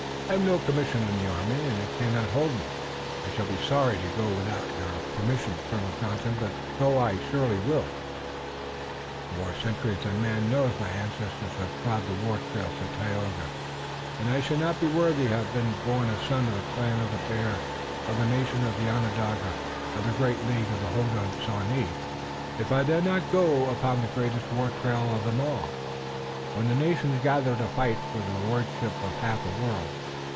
I have no commission in the army and it cannot hold me. I shall be sorry to go without your permission, Colonel Johnson, but go I surely will." "For more centuries than man knows, my ancestors have trod the war trail," said Tayoga, "and I should not be worthy to have been born a son of the clan of the Bear, of the nation Onondaga, of the great League of the Hodenosaunee, if I did not go now upon the greatest war trail of them all, when the nations gather to fight for the lordship of half a world.